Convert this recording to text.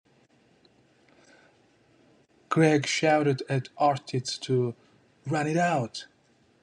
Gregg shouted at Ortiz to, Run it out!